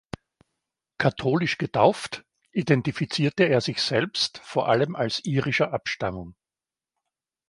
Katholisch getauft, identifizierte er sich selbst vor allem als irischer Abstammung.